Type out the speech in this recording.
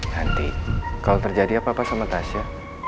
nanti kalau terjadi apa apa sama tasya